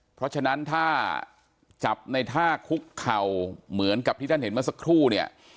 เพราะฉะนั้นถ้าจับในท่าคุกเข่าเหมือนกับที่ท่านเห็นเมื่อสักครู่เนี่ย